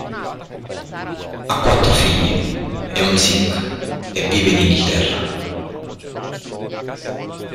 Ha quattro figli, è un sikh e vive in Inghilterra.